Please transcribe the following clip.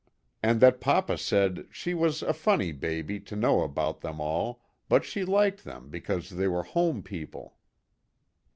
And that papa said she was " a funny baby " to know about them all, but she liked them because they were home people.